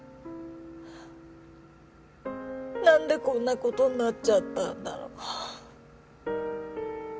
何でこんなことになっちゃったんだろ